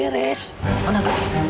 aku mau ke tempat lain